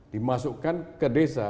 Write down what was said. dimasukkan ke desa